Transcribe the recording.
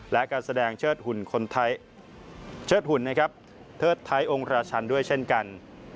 และการแสดงเชิดหุ่นคนไทยเชิดหุ่นนะครับเทิดไทยองค์ราชันด้วยเช่นกัน